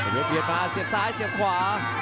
เบียดมาเสียบซ้ายเสียบขวา